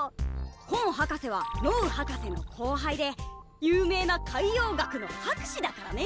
コン博士はノウ博士の後輩で有名な海洋学の博士だからね。